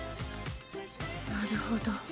なるほど。